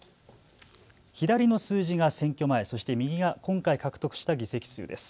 左の数字が選挙前、そして右が今回獲得した議席数です。